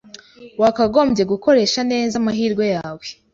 Wakagombye gukoresha neza amahirwe yawe.